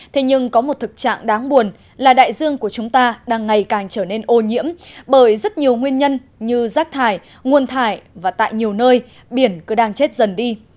thế nhưng có một thực trạng đáng buồn là đại dương của chúng ta đang ngày càng trở nên ô nhiễm bởi rất nhiều nguyên nhân như rác thải nguồn thải và tại nhiều nơi biển cứ đang chết dần đi